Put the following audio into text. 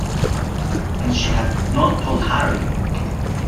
And she had not told Harry!